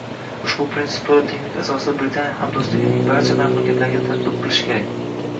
Ushbu printsipni to‘la tenglik asosida Britaniya hamdo‘stligining barcha mamlakatlariga tatbiq qilish kerak